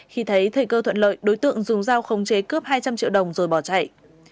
khi thấy thời cơ thuận lợi đối tượng dùng dao không chế cướp hai trăm linh triệu đồng rồi bỏ chạy